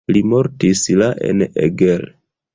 Li mortis la en Eger.